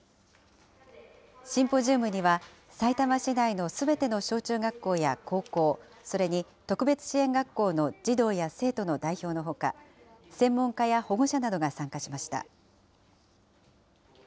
シンポジウムには、さいたま市内のすべての小中学校や高校、それに特別支援学校の児童や生徒の代表のほか、専門家や保護者などが参加しました。